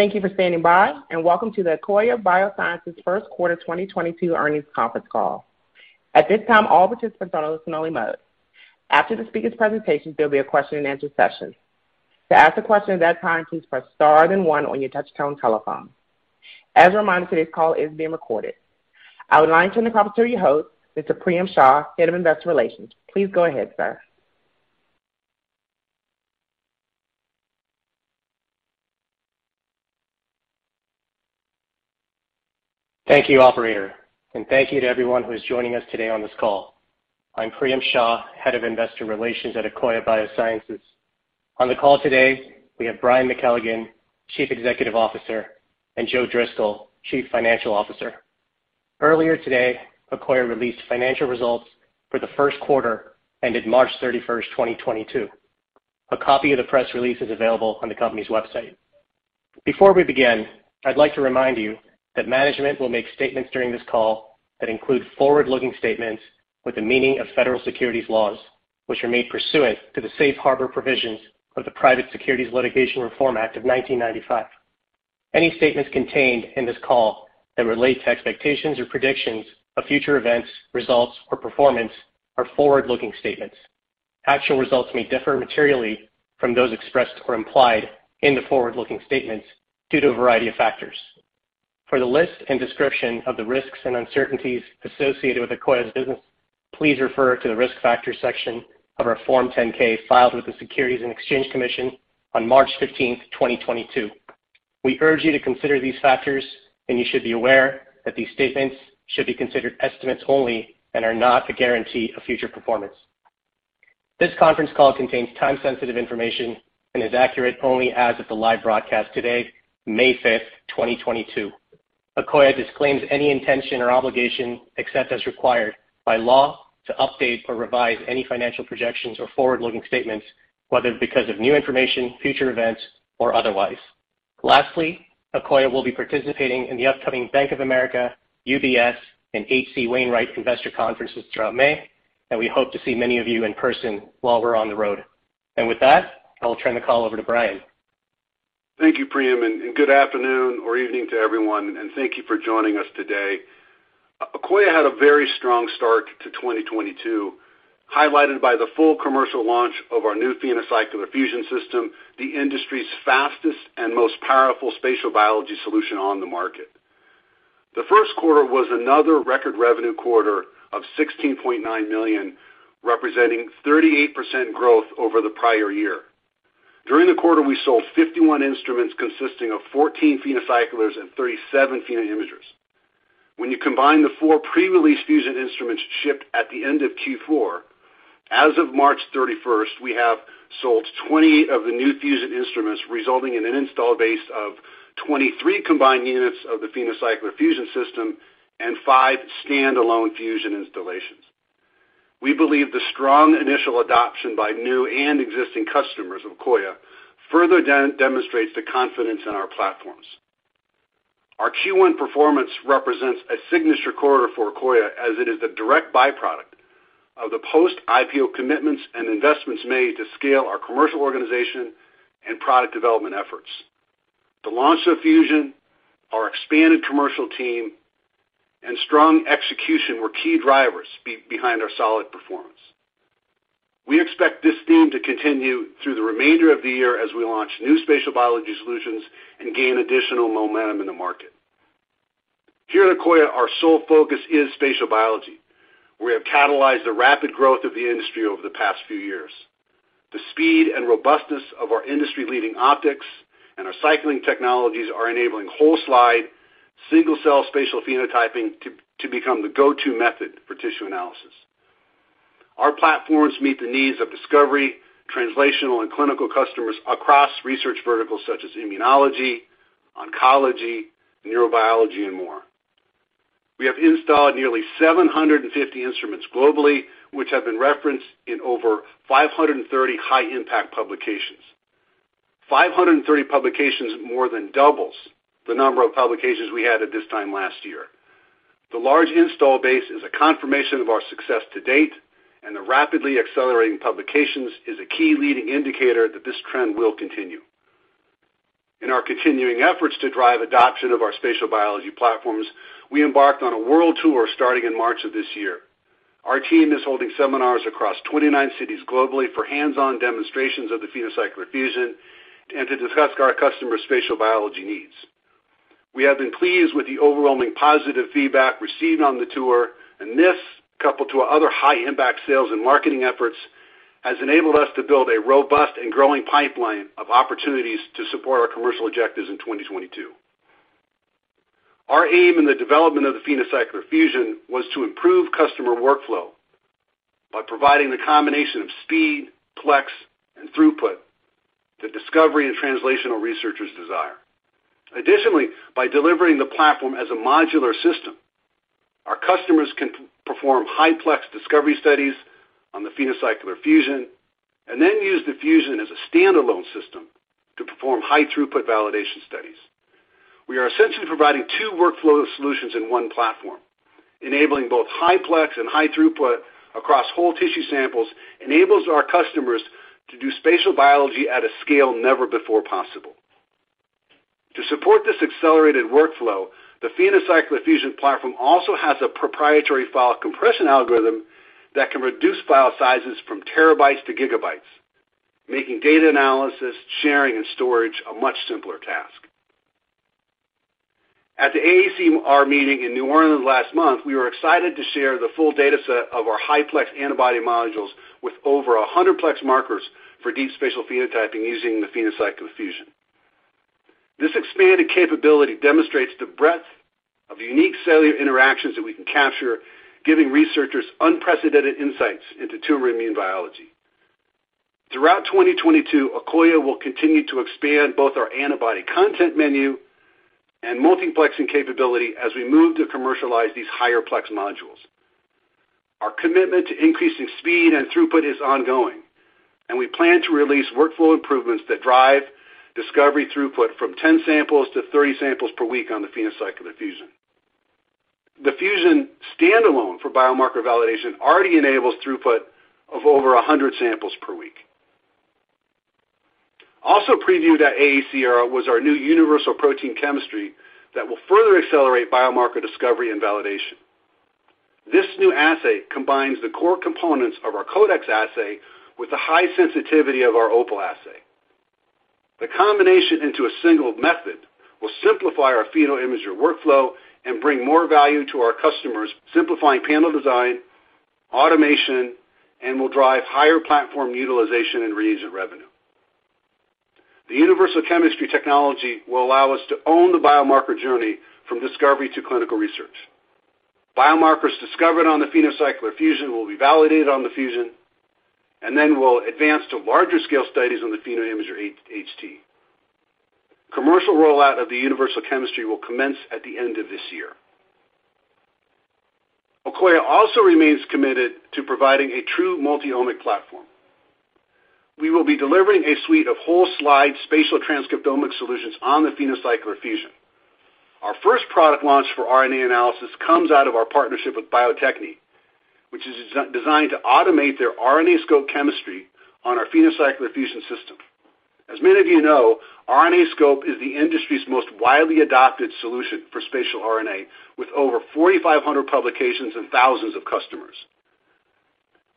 Thank you for standing by and welcome to the Akoya Biosciences first quarter 2022 earnings conference call. At this time, all participants are in listen-only mode. After the speaker's presentation, there'll be a question and answer session. To ask a question at that time, please press star then one on your touch-tone telephone. As a reminder, today's call is being recorded. I would like to turn the conference over to your host, Mr. Priyam Shah, Head of Investor Relations. Please go ahead, sir. Thank you, operator, and thank you to everyone who is joining us today on this call. I'm Priyam Shah, Head of Investor Relations at Akoya Biosciences. On the call today, we have Brian McKelligon, Chief Executive Officer, and Joe Driscoll, Chief Financial Officer. Earlier today, Akoya released financial results for the first quarter ended March 31, 2022. A copy of the press release is available on the company's website. Before we begin, I'd like to remind you that management will make statements during this call that include forward-looking statements within the meaning of federal securities laws, which are made pursuant to the safe harbor provisions of the Private Securities Litigation Reform Act of 1995. Any statements contained in this call that relate to expectations or predictions of future events, results, or performance are forward-looking statements. Actual results may differ materially from those expressed or implied in the forward-looking statements due to a variety of factors. For the list and description of the risks and uncertainties associated with Akoya's business, please refer to the Risk Factors section of our Form 10-K filed with the Securities and Exchange Commission on March 15, 2022. We urge you to consider these factors, and you should be aware that these statements should be considered estimates only and are not a guarantee of future performance. This conference call contains time-sensitive information and is accurate only as of the live broadcast today, May 5, 2022. Akoya disclaims any intention or obligation, except as required by law, to update or revise any financial projections or forward-looking statements, whether because of new information, future events, or otherwise. Lastly, Akoya will be participating in the upcoming Bank of America, UBS, and H.C. Wainwright & Co. Wainwright investor conferences throughout May, and we hope to see many of you in person while we're on the road. With that, I will turn the call over to Brian. Thank you, Priyam, and good afternoon or evening to everyone, and thank you for joining us today. Akoya had a very strong start to 2022, highlighted by the full commercial launch of our new PhenoCycler-Fusion System, the industry's fastest and most powerful spatial biology solution on the market. The first quarter was another record revenue quarter of $16.9 million, representing 38% growth over the prior year. During the quarter, we sold 51 instruments consisting of 14 PhenoCyclers and 37 PhenoImagers. When you combine the 4 pre-release Fusion instruments shipped at the end of Q4, as of March 31, we have sold 20 of the new Fusion instruments, resulting in an installed base of 23 combined units of the PhenoCycler-Fusion System and 5stand-alone Fusion installations. We believe the strong initial adoption by new and existing customers of Akoya further demonstrates the confidence in our platforms. Our Q1 performance represents a signature quarter for Akoya as it is the direct byproduct of the post-IPO commitments and investments made to scale our commercial organization and product development efforts. The launch of Fusion, our expanded commercial team, and strong execution were key drivers behind our solid performance. We expect this theme to continue through the remainder of the year as we launch new spatial biology solutions and gain additional momentum in the market. Here at Akoya, our sole focus is spatial biology, where we have catalyzed the rapid growth of the industry over the past few years. The speed and robustness of our industry-leading optics and our cycling technologies are enabling whole-slide, single-cell spatial phenotyping to become the go-to method for tissue analysis. Our platforms meet the needs of discovery, translational, and clinical customers across research verticals such as immunology, oncology, neurobiology, and more. We have installed nearly 750 instruments globally, which have been referenced in over 530 high-impact publications. 530 publications more than doubles the number of publications we had at this time last year. The large install base is a confirmation of our success to date, and the rapidly accelerating publications is a key leading indicator that this trend will continue. In our continuing efforts to drive adoption of our spatial biology platforms, we embarked on a world tour starting in March of this year. Our team is holding seminars across 29 cities globally for hands-on demonstrations of the PhenoCycler-Fusion and to discuss our customers' spatial biology needs. We have been pleased with the overwhelming positive feedback received on the tour, and this, coupled to our other high-impact sales and marketing efforts, has enabled us to build a robust and growing pipeline of opportunities to support our commercial objectives in 2022. Our aim in the development of the PhenoCycler-Fusion was to improve customer workflow by providing the combination of speed, plex, and throughput that discovery and translational researchers desire. Additionally, by delivering the platform as a modular system, our customers can perform high plex discovery studies on the PhenoCycler-Fusion and then use the Fusion as astand-alone system to perform high throughput validation studies. We are essentially providing two workflow solutions in one platform, enabling both high plex and high throughput across whole tissue samples, enables our customers to do spatial biology at a scale never before possible. To support this accelerated workflow, the PhenoCycler-Fusion platform also has a proprietary file compression algorithm that can reduce file sizes from terabytes to gigabytes, making data analysis, sharing, and storage a much simpler task. At the AACR meeting in New Orleans last month, we were excited to share the full data set of our high plex antibody modules with over 100 plex markers for deep spatial phenotyping using the PhenoCycler-Fusion. This expanded capability demonstrates the breadth of unique cellular interactions that we can capture, giving researchers unprecedented insights into tumor immune biology. Throughout 2022, Akoya will continue to expand both our antibody content menu and multiplexing capability as we move to commercialize these higher plex modules. Our commitment to increasing speed and throughput is ongoing, and we plan to release workflow improvements that drive discovery throughput from 10 samples to 30 samples per week on the PhenoCycler-Fusion. The Fusionstand-alone for biomarker validation already enables throughput of over 100 samples per week. Also previewed at AACR was our new universal protein chemistry that will further accelerate biomarker discovery and validation. This new assay combines the core components of our CODEX assay with the high sensitivity of our Opal assay. The combination into a single method will simplify our PhenoImager workflow and bring more value to our customers, simplifying panel design, automation, and will drive higher platform utilization and reagent revenue. The universal chemistry technology will allow us to own the biomarker journey from discovery to clinical research. Biomarkers discovered on the PhenoCycler-Fusion will be validated on the Fusion and then will advance to larger scale studies on the PhenoImager HT. Commercial rollout of the universal chemistry will commence at the end of this year. Akoya also remains committed to providing a true multi-omic platform. We will be delivering a suite of whole slide spatial transcriptomic solutions on the PhenoCycler-Fusion. Our first product launch for RNA analysis comes out of our partnership with Bio-Techne, which is designed to automate their RNAscope chemistry on our PhenoCycler-Fusion system. As many of you know, RNAscope is the industry's most widely adopted solution for spatial RNA, with over 4,500 publications and thousands of customers.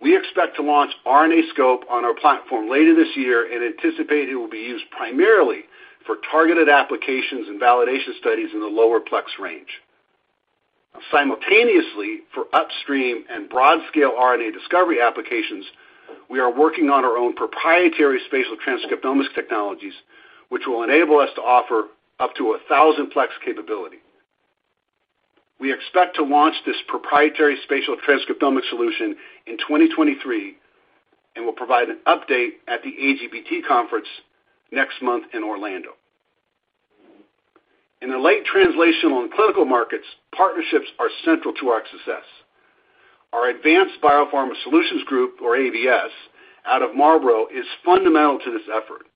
We expect to launch RNAscope on our platform later this year and anticipate it will be used primarily for targeted applications and validation studies in the lower plex range. Simultaneously, for upstream and broad scale RNA discovery applications, we are working on our own proprietary spatial transcriptomics technologies, which will enable us to offer up to 1,000 plex capability. We expect to launch this proprietary spatial transcriptomic solution in 2023 and will provide an update at the AGBT conference next month in Orlando. In the late translational and clinical markets, partnerships are central to our success. Our Advanced Biopharma Solutions group, or ABS, out of Marlborough, is fundamental to this effort.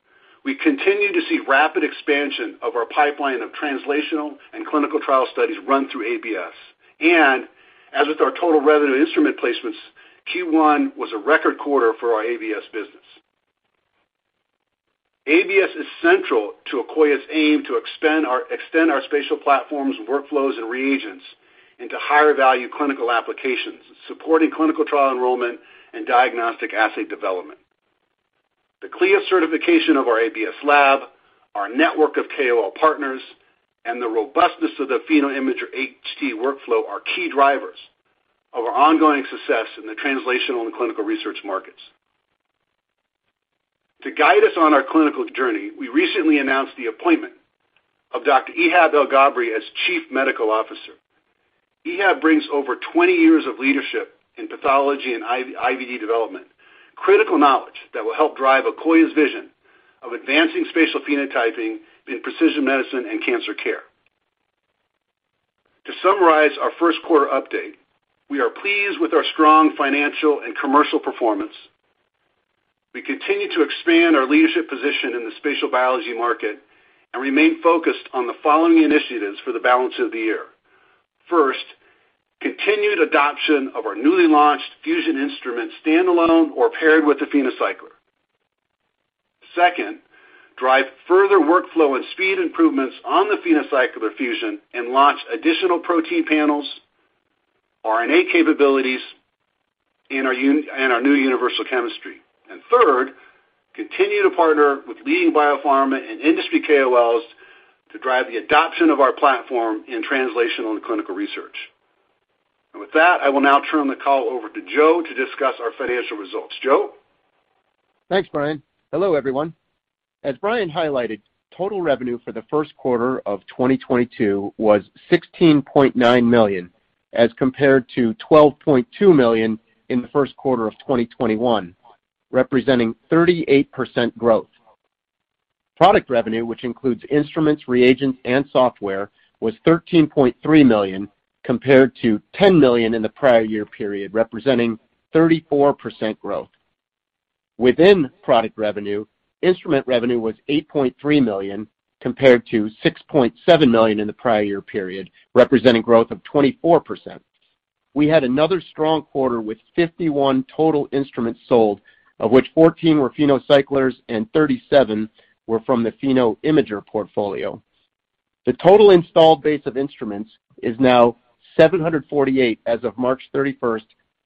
We continue to see rapid expansion of our pipeline of translational and clinical trial studies run through ABS. As with our total revenue instrument placements, Q1 was a record quarter for our ABS business. ABS is central to Akoya's aim to extend our spatial platforms, workflows, and reagents into higher value clinical applications, supporting clinical trial enrollment and diagnostic assay development. The CLIA certification of our ABS lab, our network of KOL partners, and the robustness of the PhenoImager HT workflow are key drivers of our ongoing success in the translational and clinical research markets. To guide us on our clinical journey, we recently announced the appointment of Dr. Ehab El-Gabry as Chief Medical Officer. Ehab brings over 20 years of leadership in pathology and in vitro, IVD development, critical knowledge that will help drive Akoya's vision of advancing spatial phenotyping in precision medicine and cancer care. To summarize our first quarter update, we are pleased with our strong financial and commercial performance. We continue to expand our leadership position in the spatial biology market and remain focused on the following initiatives for the balance of the year. First, continued adoption of our newly launched PhenoImager Fusionstand-alone or paired with the PhenoCycler. Second, drive further workflow and speed improvements on the PhenoCycler-Fusion and launch additional protein panels, RNA capabilities in our new universal chemistry. Third, continue to partner with leading biopharma and industry KOLs to drive the adoption of our platform in translational and clinical research. With that, I will now turn the call over to Joe to discuss our financial results. Joe? Thanks, Brian. Hello, everyone. As Brian highlighted, total revenue for the first quarter of 2022 was $16.9 million, as compared to $12.2 million in the first quarter of 2021, representing 38% growth. Product revenue, which includes instruments, reagents, and software, was $13.3 million, compared to $10 million in the prior year period, representing 34% growth. Within product revenue, instrument revenue was $8.3 million compared to $6.7 million in the prior year period, representing growth of 24%. We had another strong quarter with 51 total instruments sold, of which 14 were PhenoCyclers and 37 were from the PhenoImager portfolio. The total installed base of instruments is now 748 as of March 31,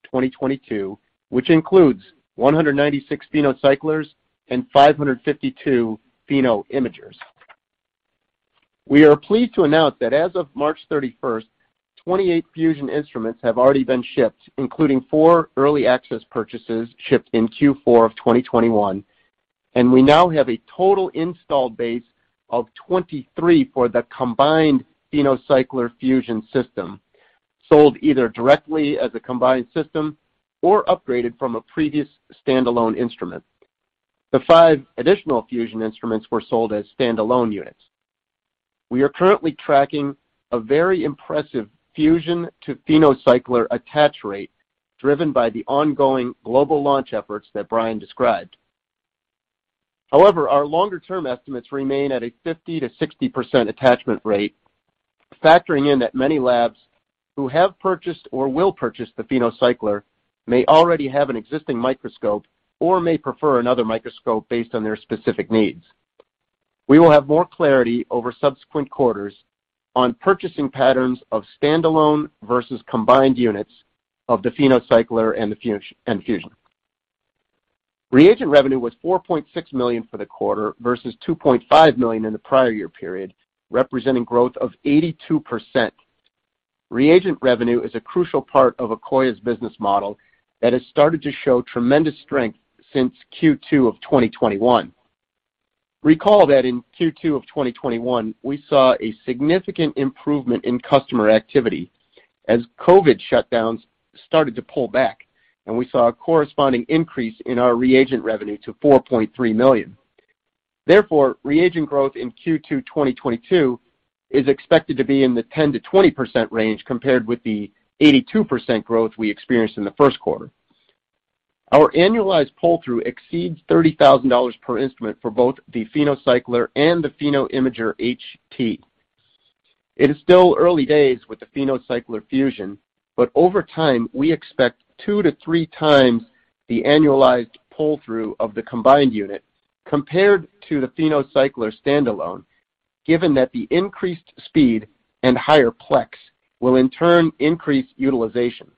2022, which includes 196 PhenoCyclers and 552 PhenoImagers. We are pleased to announce that as of March 31, 28 Fusion instruments have already been shipped, including 4 early access purchases shipped in Q4 of 2021, and we now have a total installed base of 23 for the combined PhenoCycler-Fusion system, sold either directly as a combined system or upgraded from a previousstand-alone instrument. The 5 additional Fusion instruments were sold asstand-alone units. We are currently tracking a very impressive Fusion to PhenoCycler attach rate driven by the ongoing global launch efforts that Brian described. However, our longer-term estimates remain at a 50%-60% attachment rate, factoring in that many labs who have purchased or will purchase the PhenoCycler may already have an existing microscope or may prefer another microscope based on their specific needs. We will have more clarity over subsequent quarters on purchasing patterns ofstand-alone versus combined units of the PhenoCycler and the Fusion. Reagent revenue was $4.6 million for the quarter versus $2.5 million in the prior year period, representing growth of 82%. Reagent revenue is a crucial part of Akoya's business model that has started to show tremendous strength since Q2 of 2021. Recall that in Q2 of 2021, we saw a significant improvement in customer activity as COVID shutdowns started to pull back, and we saw a corresponding increase in our reagent revenue to $4.3 million. Therefore, reagent growth in Q2 2022 is expected to be in the 10%-20% range compared with the 82% growth we experienced in the first quarter. Our annualized pull-through exceeds $30,000 per instrument for both the PhenoCycler and the PhenoImager HT. It is still early days with the PhenoCycler-Fusion, but over time, we expect 2x-3x the annualized pull-through of the combined unit compared to the PhenoCyclerstand-alone, given that the increased speed and higher plex will in turn increase utilization.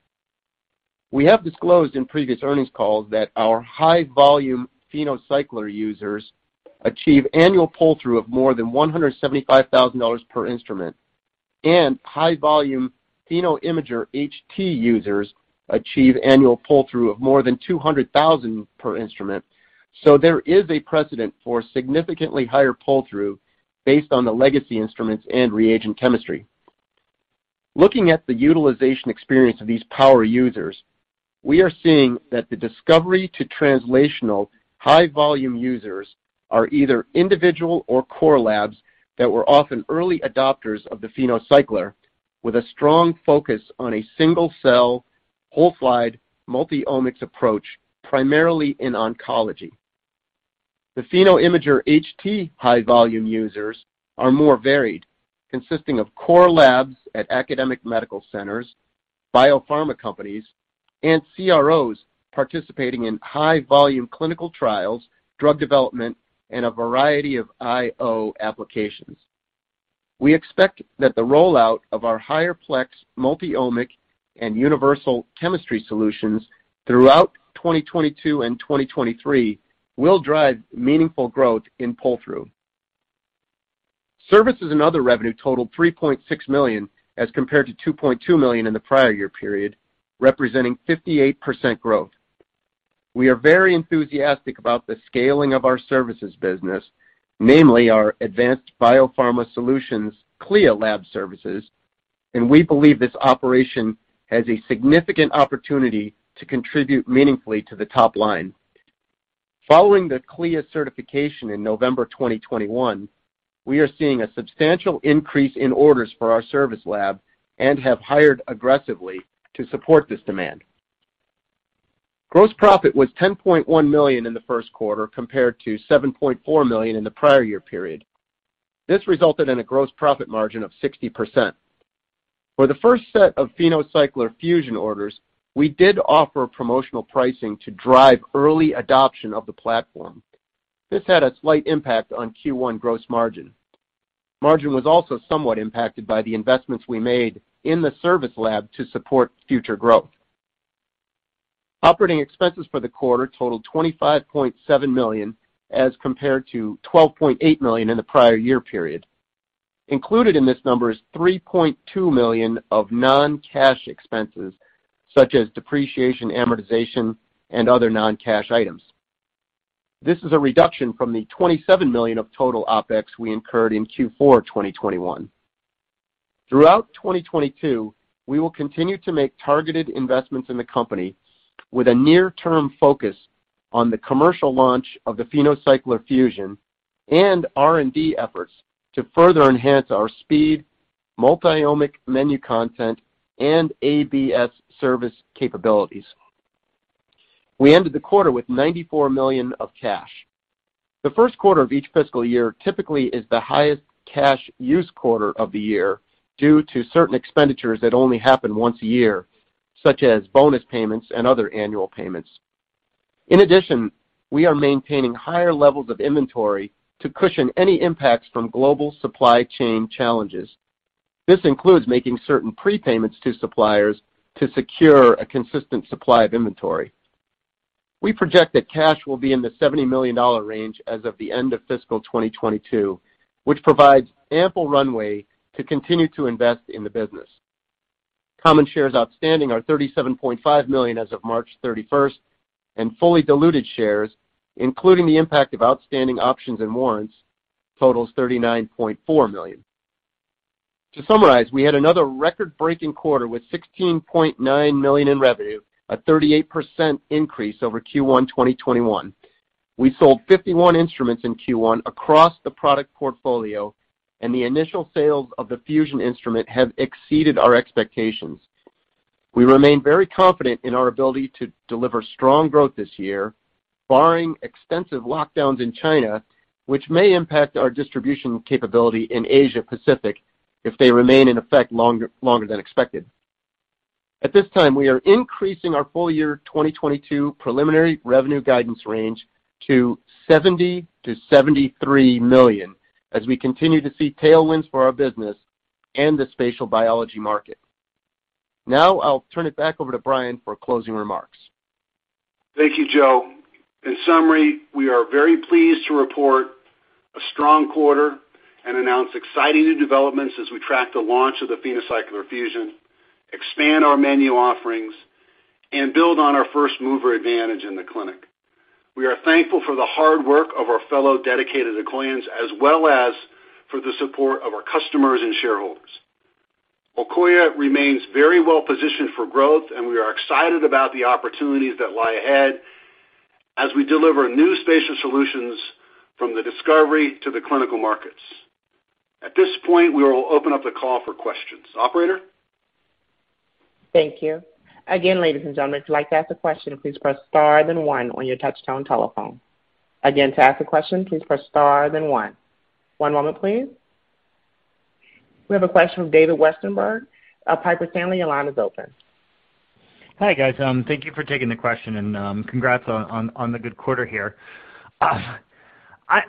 We have disclosed in previous earnings calls that our high-volume PhenoCycler users achieve annual pull-through of more than $175,000 per instrument, and high-volume PhenoImager HT users achieve annual pull-through of more than $200,000 per instrument, so there is a precedent for significantly higher pull-through based on the legacy instruments and reagent chemistry. Looking at the utilization experience of these power users, we are seeing that the discovery to translational high-volume users are either individual or core labs that were often early adopters of the PhenoCycler with a strong focus on a single cell, whole slide, multi-omics approach, primarily in oncology. The PhenoImager HT high-volume users are more varied, consisting of core labs at academic medical centers, biopharma companies, and CROs participating in high-volume clinical trials, drug development, and a variety of I-O applications. We expect that the rollout of our higher plex multi-omic and universal chemistry solutions throughout 2022 and 2023 will drive meaningful growth in pull-through. Services and other revenue totaled $3.6 million as compared to $2.2 million in the prior year period, representing 58% growth. We are very enthusiastic about the scaling of our services business, namely our Advanced Biopharma Solutions CLIA lab services, and we believe this operation has a significant opportunity to contribute meaningfully to the top line. Following the CLIA certification in November 2021, we are seeing a substantial increase in orders for our service lab and have hired aggressively to support this demand. Gross profit was $10.1 million in the first quarter compared to $7.4 million in the prior year period. This resulted in a gross profit margin of 60%. For the first set of PhenoCycler-Fusion orders, we did offer promotional pricing to drive early adoption of the platform. This had a slight impact on Q1 gross margin. Margin was also somewhat impacted by the investments we made in the service lab to support future growth. Operating expenses for the quarter totaled $25.7 million as compared to $12.8 million in the prior year period. Included in this number is $3.2 million of non-cash expenses such as depreciation, amortization, and other non-cash items. This is a reduction from the $27 million of total OpEx we incurred in Q4 2021. Throughout 2022, we will continue to make targeted investments in the company with a near-term focus on the commercial launch of the PhenoCycler-Fusion and R&D efforts to further enhance our speed, multi-omic menu content and ABS service capabilities. We ended the quarter with $94 million of cash. The first quarter of each fiscal year typically is the highest cash use quarter of the year due to certain expenditures that only happen once a year, such as bonus payments and other annual payments. In addition, we are maintaining higher levels of inventory to cushion any impacts from global supply chain challenges. This includes making certain prepayments to suppliers to secure a consistent supply of inventory. We project that cash will be in the $70 million range as of the end of fiscal 2022, which provides ample runway to continue to invest in the business. Common shares outstanding are 37.5 million as of March 31st, and fully diluted shares, including the impact of outstanding options and warrants, totals 39.4 million. To summarize, we had another record-breaking quarter with $16.9 million in revenue, a 38% increase over Q1 2021. We sold 51 instruments in Q1 across the product portfolio, and the initial sales of the Fusion instrument have exceeded our expectations. We remain very confident in our ability to deliver strong growth this year, barring extensive lockdowns in China, which may impact our distribution capability in Asia-Pacific if they remain in effect longer than expected. At this time, we are increasing our full year 2022 preliminary revenue guidance range to $70 million–$73 million as we continue to see tailwinds for our business and the spatial biology market. Now I'll turn it back over to Brian for closing remarks. Thank you, Joe. In summary, we are very pleased to report a strong quarter and announce exciting new developments as we track the launch of the PhenoCycler-Fusion, expand our menu offerings, and build on our first-mover advantage in the clinic. We are thankful for the hard work of our fellow dedicated Akoyans, as well as for the support of our customers and shareholders. Akoya remains very well positioned for growth, and we are excited about the opportunities that lie ahead as we deliver new spatial solutions from the discovery to the clinical markets. At this point, we will open up the call for questions. Operator? Thank you. Again, ladies and gentlemen, if you'd like to ask a question, please press star then one on your touch-tone telephone. Again, to ask a question, please press star then one. One moment, please. We have a question from David Westenberg of Piper Sandler. Your line is open. Hi, guys. Thank you for taking the question and, congrats on the good quarter here.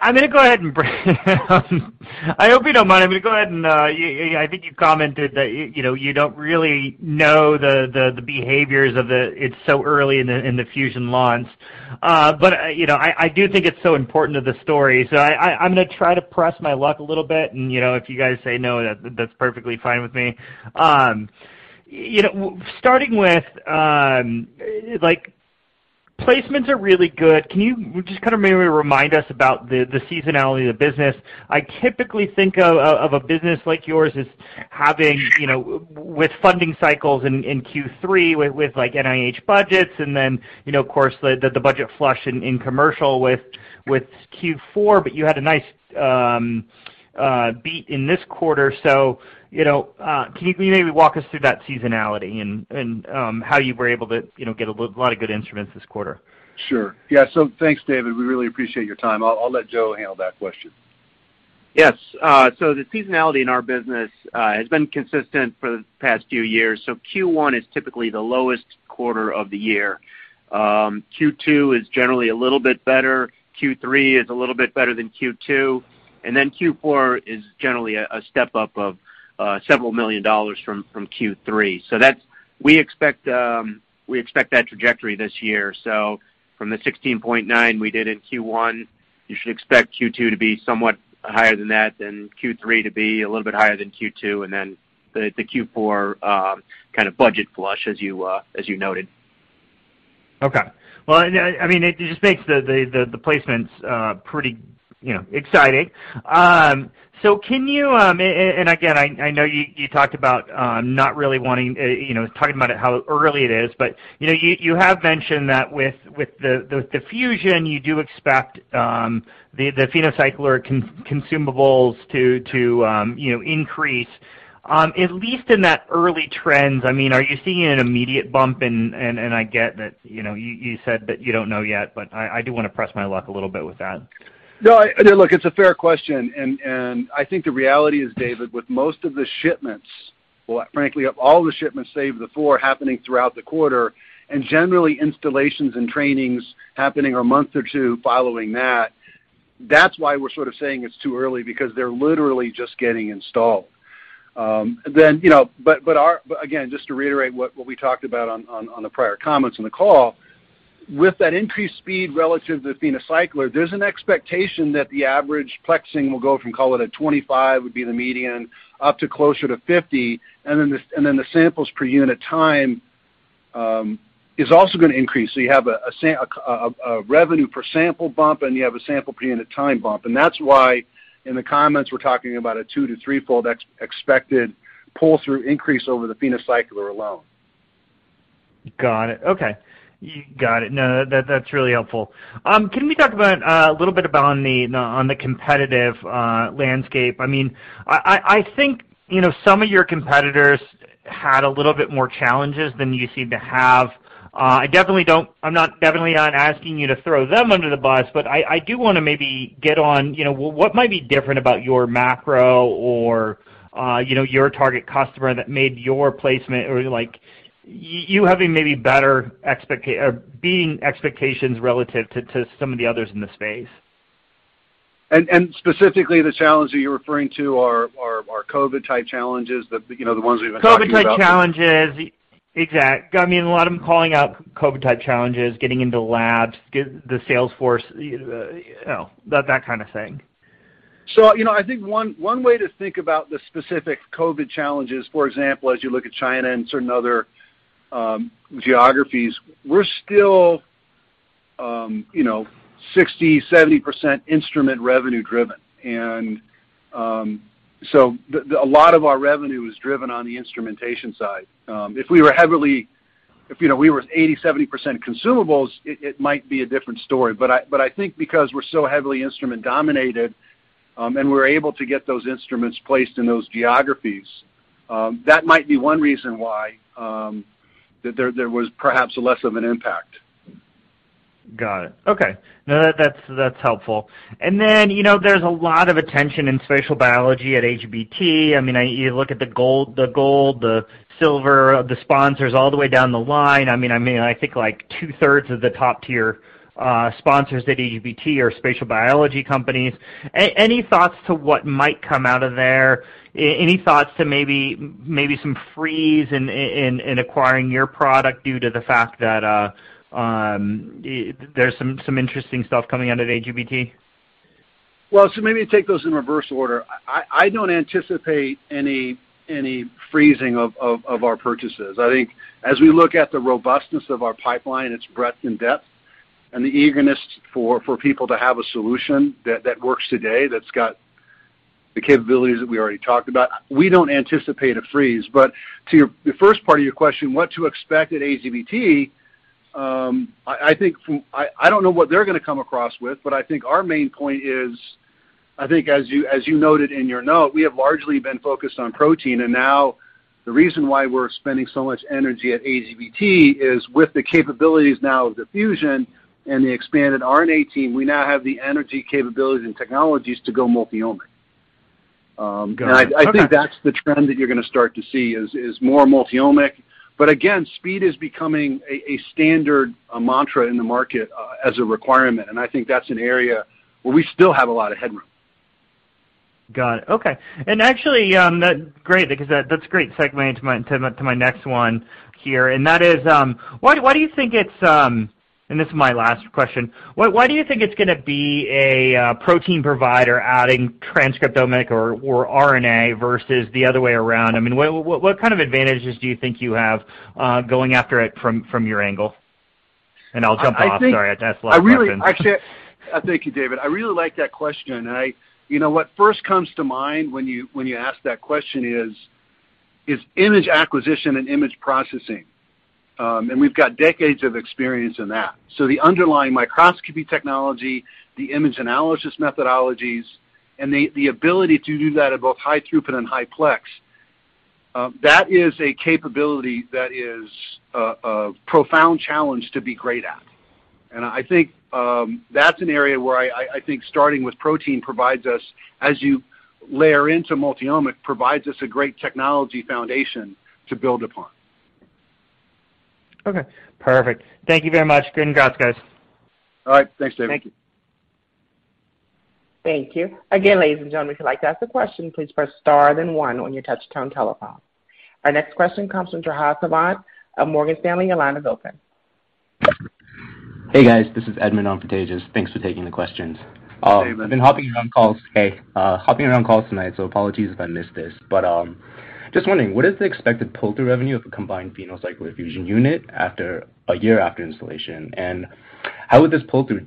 I hope you don't mind. I'm going to go ahead and, yeah, I think you commented that, you know, you don't really know the behaviors of the. It's so early in the Fusion launch. You know, I do think it's so important to the story, so I'm going to try to press my luck a little bit and, you know, if you guys say no, that's perfectly fine with me. You know, starting with, like, placements are really good. Can you just kind of maybe remind us about the seasonality of the business? I typically think of a business like yours as having, you know, with funding cycles in Q3 with like NIH budgets and then, you know, of course, the budget flush in commercial with Q4, but you had a nice beat in this quarter. So, you know, can you maybe walk us through that seasonality and how you were able to, you know, get a lot of good instruments this quarter? Sure. Yeah. Thanks, David. We really appreciate your time. I'll let Joe handle that question. Yes. The seasonality in our business has been consistent for the past few years. Q1 is typically the lowest quarter of the year. Q2 is generally a little bit better. Q3 is a little bit better than Q2. Q4 is generally a step-up of several million from Q3. We expect that trajectory this year. From the $16.9 million we did in Q1, you should expect Q2 to be somewhat higher than that and Q3 to be a little bit higher than Q2, and then the Q4 kind of budget flush as you noted. Okay. Well, I mean, it just makes the placements pretty, you know, exciting. Can you and again, I know you talked about not really wanting, you know, talking about how early it is, but you know, you have mentioned that with the Fusion, you do expect the PhenoCycler consumables to, you know, increase. At least in that early trends, I mean, are you seeing an immediate bump in? I get that, you know, you said that you don't know yet, but I do want to press my luck a little bit with that. No, look, it's a fair question, and I think the reality is, David, with most of the shipments, well, frankly, all the shipments save the four happening throughout the quarter, and generally installations and trainings happening a month or two following that's why we're sort of saying it's too early because they're literally just getting installed. Then, you know, again, just to reiterate what we talked about on the prior comments on the call, with that increased speed relative to the PhenoCycler, there's an expectation that the average plexing will go from, call it a 25, would be the median, up to closer to 50, and then the samples per unit time is also going to increase. You have a revenue per sample bump, and you have a sample per unit time bump. That's why in the comments we're talking about a 2- to 3-fold expected pull-through increase over the PhenoCycler alone. Got it. Okay. Got it. No, that's really helpful. Can we talk a little bit about the competitive landscape? I mean, I think, you know, some of your competitors had a little bit more challenges than you seem to have. I'm definitely not asking you to throw them under the bus, but I do want to maybe get on, you know, what might be different about your moat or, you know, your target customer that made your placement or like you having maybe better expectations or beating expectations relative to some of the others in the space. Specifically, the challenges you're referring to are COVID-type challenges that, you know, the ones we've been talking about. COVID-type challenges, I mean, a lot of them calling out COVID-type challenges, getting into labs, get the sales force, you know, that kind of thing. You know, I think one way to think about the specific COVID challenges, for example, as you look at China and certain other geographies, we're still, you know, 60%-70% instrument revenue driven. A lot of our revenue is driven on the instrumentation side. If you know, we were 70%-80% consumables, it might be a different story. But I think because we're so heavily instrument dominated, and we're able to get those instruments placed in those geographies, that might be one reason why there was perhaps less of an impact. Got it. Okay. No, that's helpful. Then, you know, there's a lot of attention in spatial biology at AGBT. I mean, you look at the gold, the silver of the sponsors all the way down the line. I mean, I think like two-thirds of the top tier sponsors at AGBT are spatial biology companies. Any thoughts to what might come out of there? Any thoughts to maybe some frenzy in acquiring your product due to the fact that there's some interesting stuff coming out of AGBT? Maybe take those in reverse order. I don't anticipate any freezing of our purchases. I think as we look at the robustness of our pipeline, its breadth and depth, and the eagerness for people to have a solution that works today that's got the capabilities that we already talked about, we don't anticipate a freeze. To the first part of your question, what to expect at AGBT, I think from. I don't know what they're going to come across with, but I think our main point is. I think as you noted in your note, we have largely been focused on protein, and now the reason why we're spending so much energy at AGBT is with the capabilities now of the Fusion and the expanded RNA team, we now have the energy capabilities and technologies to go multi-omic. Got it. Okay. I think that's the trend that you're going to start to see is more multi-omic. But again, speed is becoming a standard, a mantra in the market, as a requirement, and I think that's an area where we still have a lot of headroom. Got it. Okay. Actually, great, because that's a great segue into my next one here, and that is, why do you think it's. This is my last question. Why do you think it's going to be a protein provider adding transcriptomic or RNA versus the other way around? I mean, what kind of advantages do you think you have, going after it from your angle? I'll jump off. Sorry, that's a lot of questions. Actually, thank you, David. I really like that question. You know, what first comes to mind when you ask that question is image acquisition and image processing. We've got decades of experience in that. The underlying microscopy technology, the image analysis methodologies, and the ability to do that at both high throughput and high-plex, that is a capability that is a profound challenge to be great at. I think that's an area where I think starting with protein provides us, as you layer into multi-omic, provides us a great technology foundation to build upon. Okay. Perfect. Thank you very much. Congrats, guys. All right. Thanks, David. Thank you. Again, ladies and gentlemen, if you'd like to ask a question, please press star then one on your touch-tone telephone. Our next question comes from Tejas Savant of Morgan Stanley. Your line is open. Hey, guys. This is Edmond from Morgan Stanley. Thanks for taking the questions. Hey, bud. I've been hopping around calls. Hey. Hopping around calls tonight, so apologies if I missed this. Just wondering, what is the expected pull-through revenue of a combined PhenoCycler-Fusion unit after a year after installation? How would the pull-through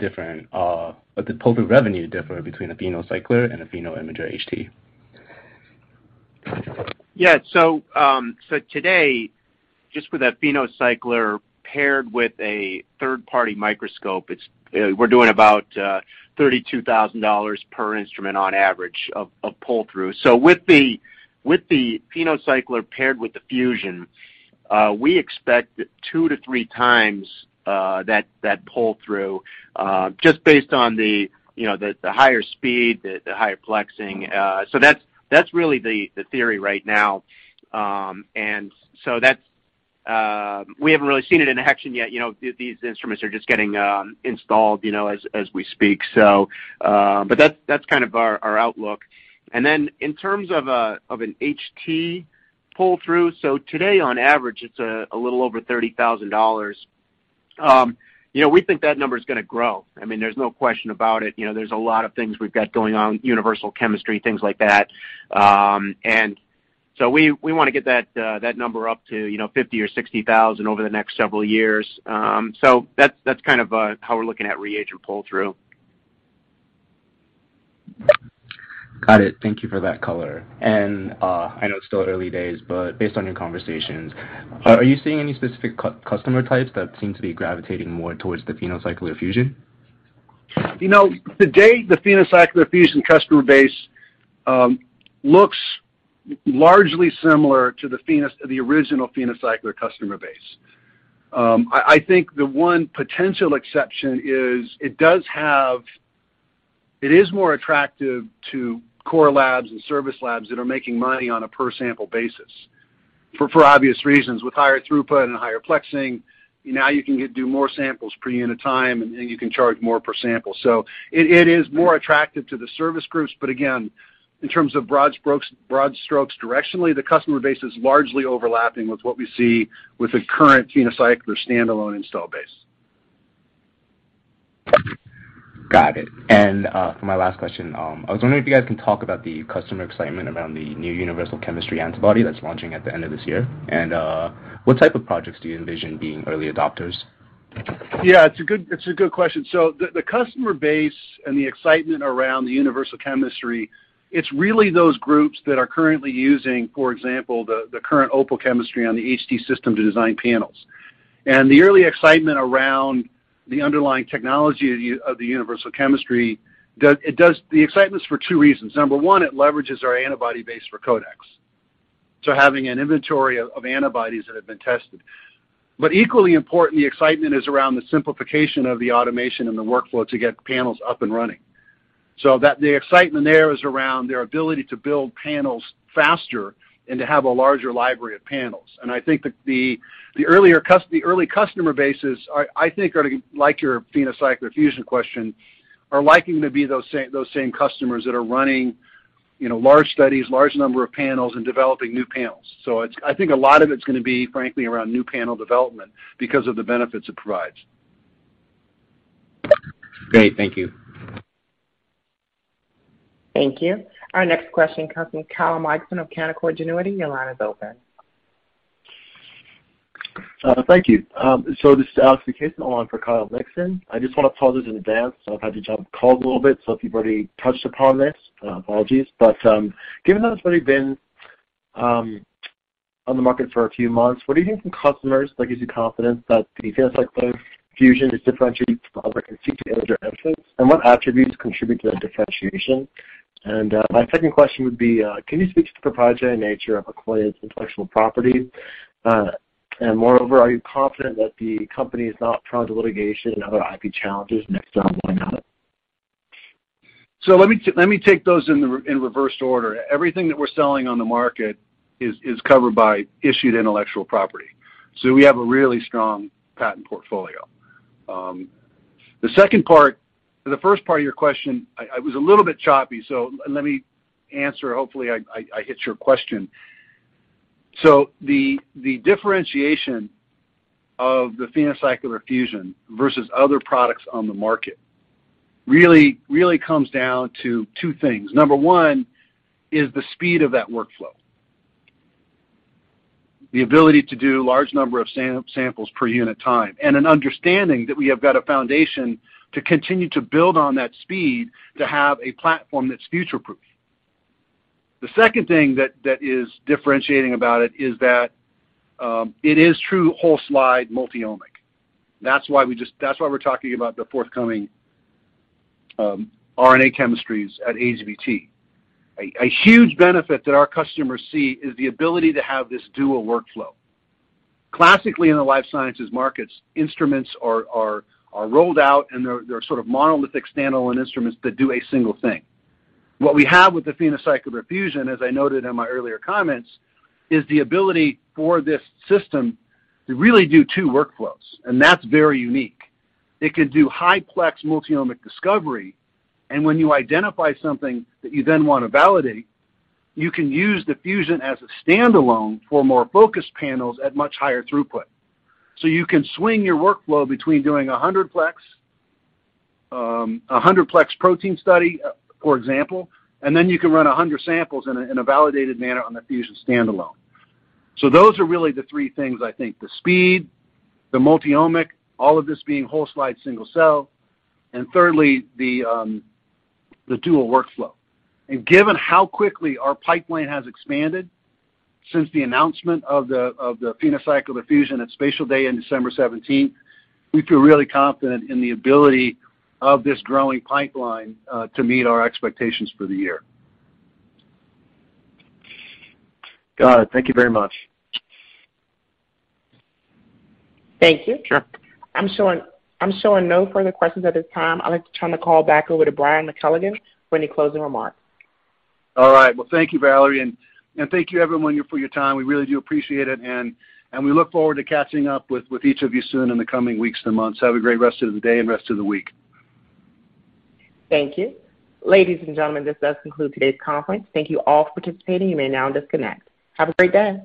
revenue differ between a PhenoCycler and a PhenoImager HT? Today, just with that PhenoCycler paired with a third-party microscope, we're doing about $32,000 per instrument on average of pull-through. With the PhenoCycler paired with the Fusion, we expect 2-3 times that pull-through just based on the, you know, the higher speed, the higher plexing. That's really the theory right now. We haven't really seen it in action yet. You know, these instruments are just getting installed, you know, as we speak. But that's kind of our outlook. In terms of an HT pull-through, today on average it's a little over $30,000. You know, we think that number's going to grow. I mean, there's no question about it. You know, there's a lot of things we've got going on, universal chemistry, things like that. We want to get that number up to, you know, $50 000 or $60 000 over the next several years. That's kind of how we're looking at reagent pull-through. Got it. Thank you for that color. I know it's still early days, but based on your conversations, are you seeing any specific customer types that seem to be gravitating more towards the PhenoCycler-Fusion? You know, to date, the PhenoCycler-Fusion customer base looks largely similar to the original PhenoCycler customer base. I think the one potential exception is it is more attractive to core labs and service labs that are making money on a per sample basis for obvious reasons. With higher throughput and higher plexing, now you can do more samples per unit time, and you can charge more per sample. So it is more attractive to the service groups. But again, in terms of broad strokes directionally, the customer base is largely overlapping with what we see with the current PhenoCyclerstand-alone install base. Got it. For my last question, I was wondering if you guys can talk about the customer excitement around the new universal chemistry antibody that's launching at the end of this year. What type of projects do you envision being early adopters? Yeah, it's a good question. The customer base and the excitement around the universal chemistry, it's really those groups that are currently using, for example, the current Opal chemistry on the HT system to design panels. The early excitement around the underlying technology of the universal chemistry, it does. The excitement's for two reasons. Number one, it leverages our antibody base for CODEX, so having an inventory of antibodies that have been tested. But equally important, the excitement is around the simplification of the automation and the workflow to get panels up and running. The excitement there is around their ability to build panels faster and to have a larger library of panels. I think that the early customer bases, I think are like your PhenoCycler-Fusion question, are likely to be those same customers that are running, you know, large studies, large number of panels and developing new panels. I think a lot of it's going to be, frankly, around new panel development because of the benefits it provides. Great. Thank you. Thank you. Our next question comes from Kyle Mikson of Canaccord Genuity. Your line is open. Thank you. This is Alex Kushev on for Kyle Mikson. I just want to pose this in advance. I've had to jump calls a little bit, so if you've already touched upon this, apologies. Given that it's already been on the market for a few months, what do you hear from customers that gives you confidence that the PhenoCycler-Fusion is differentiated from other competing edge entrants, and what attributes contribute to that differentiation? My second question would be, can you speak to the proprietary nature of Akoya's intellectual property? And moreover, are you confident that the company is not prone to litigation and other IP challenges and if so, why not? Let me take those in reverse order. Everything that we're selling on the market is covered by issued intellectual property, so we have a really strong patent portfolio. The second part the first part of your question, I was a little bit choppy, so let me answer. Hopefully I hit your question. The differentiation of the PhenoCycler-Fusion versus other products on the market really comes down to two things. Number one is the speed of that workflow. The ability to do large number of samples per unit time, and an understanding that we have got a foundation to continue to build on that speed to have a platform that's future proof. The second thing that is differentiating about it is that it is true whole slide multi-omic. That's why we just. That's why we're talking about the forthcoming RNA chemistries at AGBT. A huge benefit that our customers see is the ability to have this dual workflow. Classically in the life sciences markets, instruments are rolled out and they're sort of monolithicstand-alone instruments that do a single thing. What we have with the PhenoCycler-Fusion, as I noted in my earlier comments, is the ability for this system to really do two workflows, and that's very unique. It can do high plex multi-omic discovery, and when you identify something that you then want to validate, you can use the Fusion as astand-alone for more focused panels at much higher throughput. You can swing your workflow between doing 100-plex protein study, for example, and then you can run 100 samples in a validated manner on the Fusionstand-alone. Those are really the three things I think, the speed, the multi-omic, all of this being whole slide single-cell, and thirdly, the dual workflow. Given how quickly our pipeline has expanded since the announcement of the PhenoCycler-Fusion at Spatial Day in December 17, we feel really confident in the ability of this growing pipeline to meet our expectations for the year. Got it. Thank you very much. Thank you. Sure. I'm showing no further questions at this time. I'd like to turn the call back over to Brian McKelligon for any closing remarks. All right. Well, thank you, Valerie, and thank you everyone for your time. We really do appreciate it, and we look forward to catching up with each of you soon in the coming weeks and months. Have a great rest of the day and rest of the week. Thank you. Ladies and gentlemen, this does conclude today's conference. Thank you all for participating. You may now disconnect. Have a great day.